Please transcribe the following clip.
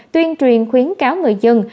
tuyên truyền khuyến cáo người dân